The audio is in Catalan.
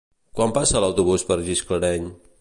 Quan passa l'autobús per Gisclareny?